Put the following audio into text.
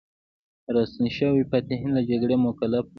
راستون شوي فاتحین له جګړې مکلف دي.